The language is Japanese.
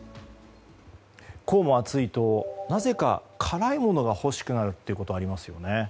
こうも暑いとなぜか辛いものが欲しくなるということがありますよね。